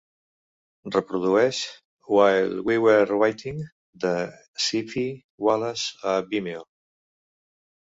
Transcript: Reprodueix "While We Were Waiting" de Sippie Wallace a Vimeo.